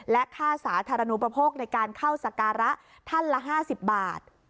และค่าสาธารณูปโภคในการเข้าสการะท่านละ๕๐บาท